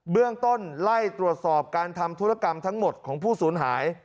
เรื่องต้นไล่ตรวจสอบการทำธุรกรรมทั้งหมดของผู้สูญหาย